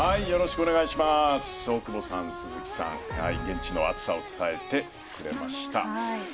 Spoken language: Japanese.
大久保さん、鈴木さんが現地の暑さを伝えてくれました。